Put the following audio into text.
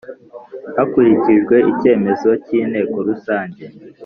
hakurikijwe icyemezo cy inteko rusange